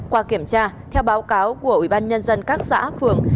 qua kiểm tra theo báo cáo của ubnd các xã phường